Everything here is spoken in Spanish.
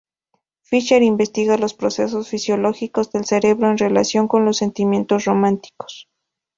Fisher investiga los procesos fisiológicos del cerebro en relación con los sentimientos románticos.